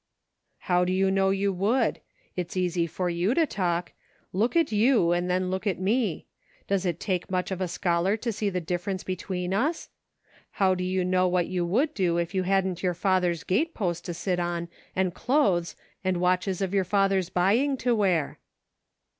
" How do you know you would } It's easy for PRACTICING. 43 )''ou to talk. Look at you and then look at me. Does it take much of a scholar to see the differ ence between us ? How do you know what you would do if you hadn't your father's gate post to sit on and clothes and watches of your father's buying to wear